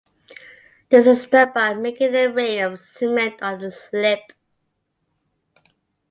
This is done by making a ring of cement on the slip.